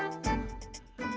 seru apa ini